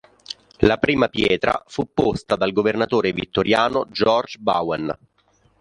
La prima pietra fu posta dal governatore vittoriano George Bowen.